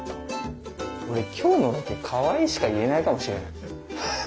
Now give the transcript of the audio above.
俺今日のロケ「かわいい」しか言えないかもしれない。